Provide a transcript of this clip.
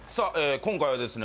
今回はですね